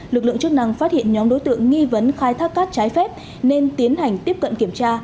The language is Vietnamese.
lực lượng chức năng phát hiện nhóm đối tượng nghi vấn khai thác cát trái phép nên tiến hành tiếp cận kiểm tra